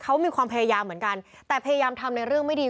เขามีความพยายามเหมือนกันแต่พยายามทำในเรื่องไม่ดี